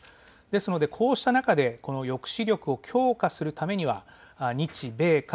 ですのでこうした中で抑止力を強化するためには日米韓